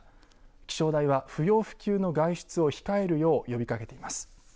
気象台は不要不急の外出を控えるよう呼びかけています。